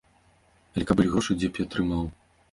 Але каб былі грошы, дзе б я трымаў?